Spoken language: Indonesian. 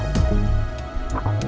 terima kasih pak chandra